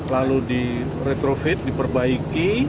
lalu diretrofit diperbaiki